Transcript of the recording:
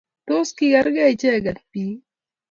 Tos kikergei ichegei biik?